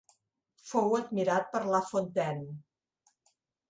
Fou admirat per La Fontaine.